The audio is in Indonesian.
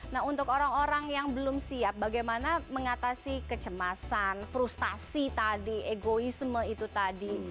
nah untuk orang orang yang belum siap bagaimana mengatasi kecemasan frustasi tadi egoisme itu tadi